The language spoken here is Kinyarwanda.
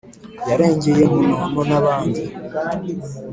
yarengeye munono n'abandi